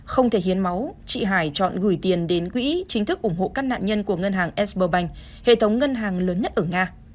không thể hiến máu chị hải chọn gửi tiền đến quỹ chính thức ủng hộ các nạn nhân của ngân hàng exper bank hệ thống ngân hàng lớn nhất ở nga